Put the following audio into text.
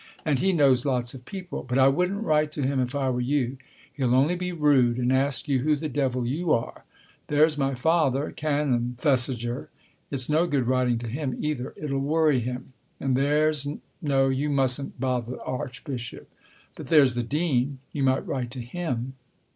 " And he knows lots of people. But I wouldn't write to him if I were you. He'll only be rude, and ask you who the devil you are. There's my father, Canon Thesiger. It's no good writing to him either. It'll worry him. And there's no, you mustn't bother the Archbishop. But there's the Dean. You might write to him!